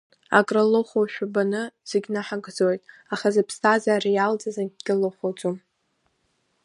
Акры лыхәошәа баны, зегь наҳагӡоит, аха зԥсҭазаара иалҵыз акгьы лыхәаӡом.